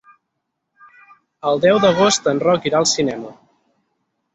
El deu d'agost en Roc irà al cinema.